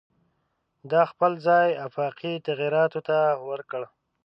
دا خپل ځای آفاقي تغییراتو ته ورکړ.